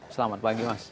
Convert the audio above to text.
selamat pagi mas